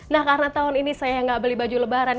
nah karena tahun ini saya nggak beli baju lebaran